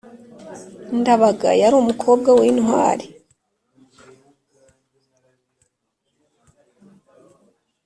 Ndabaga yari umukobwa w’intwari